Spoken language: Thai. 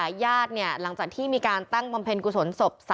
หญ้าหลังจากที่มีการตั้งประมเพณ์กุศลศพ